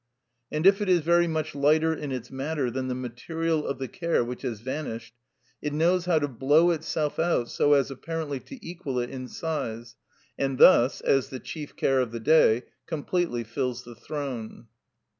And if it is very much lighter in its matter than the material of the care which has vanished, it knows how to blow itself out so as apparently to equal it in size, and thus, as the chief care of the day, completely fills the throne.